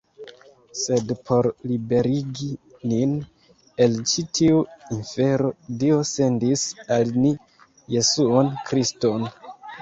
Sed por liberigi nin el ĉi tiu infero, Dio sendis al ni Jesuon Kriston.